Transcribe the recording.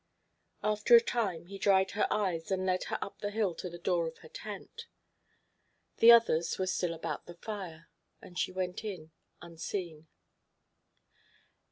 After a time, he dried her eyes and led her up the hill to the door of her tent. The others were still about the fire, and she went in unseen.